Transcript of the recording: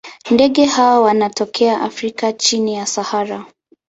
Ndege hawa wanatokea Afrika chini ya Sahara.